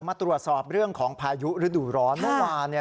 มาตรวจสอบเรื่องของพายุฤดูร้อนเมื่อวานเนี่ย